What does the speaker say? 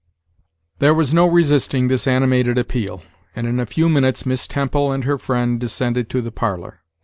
There was no resisting this animated appeal, and in a few minutes Miss Temple and her friend descended to the parlor.